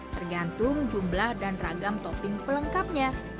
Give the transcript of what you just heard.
tergantung jumlah dan ragam topping pelengkapnya